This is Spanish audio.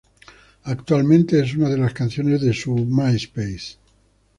Actualmente, es una de las canciones de su MySpace.